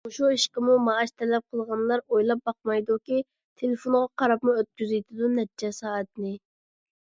مۇشۇ ئىشقىمۇ مائاش تەلەپ قىلغانلار ئويلاپ باقمايدۇكى، تېلېفونىغا قاراپمۇ ئۆتكۈزۈۋېتىدۇ نەچچە سائەتنى.